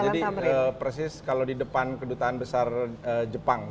jadi persis kalau di depan kedutaan besar jepang